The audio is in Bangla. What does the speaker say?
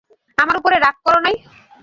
আমার উপরে রাগ কর নাই?